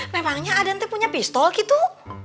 memangnya ada nanti punya pistol gitu